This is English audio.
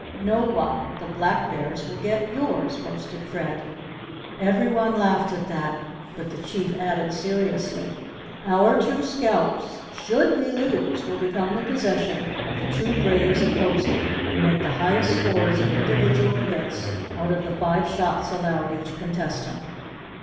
"No one the Black Bears will get yours!" boasted Fred. Every one laughed at that but the Chief added seriously: "Our two scalps, should we lose, will become the possession of the two Braves opposing, who make the highest scores of individual hits out of the five shots allowed each contestant."